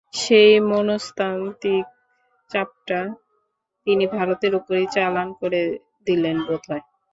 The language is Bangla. সেই মনস্তাত্ত্বিক চাপটা তিনি ভারতের ওপরই চালান করে দিলেন বোধ হয়।